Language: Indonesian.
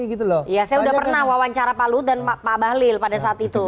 ya saya sudah pernah wawancara pak luhut dan pak pak luhut pada saat itu